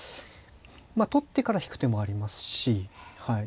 取ってから引く手もありますし。